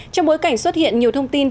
trong bối cảnh xuất hiện nhiều thông tin